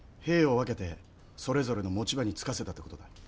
兵を分けてそれぞれの持ち場につかせたって事だ。